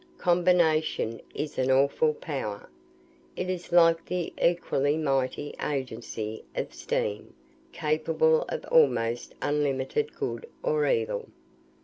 Combination is an awful power. It is like the equally mighty agency of steam; capable of almost unlimited good or evil.